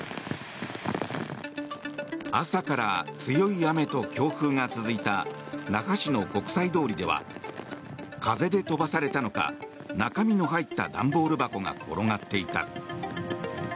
朝から強い雨と強風が続いた那覇市の国際通りでは風で飛ばされたのか中身の入った段ボール箱が転がっていた。